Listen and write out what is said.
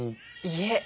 いえ。